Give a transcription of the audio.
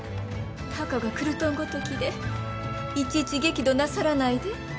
たかがクルトンごときでいちいち激怒なさらないで。